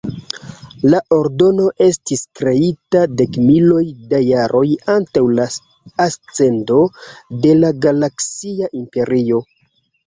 La ordeno estis kreita dekmiloj da jaroj antaŭ la ascendo de la Galaksia Imperio.